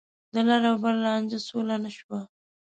د لر او بر لانجه سوله نه شوه.